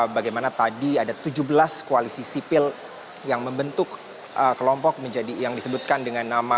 bagaimana tadi ada tujuh belas koalisi sipil yang membentuk kelompok menjadi yang disebutkan dengan nama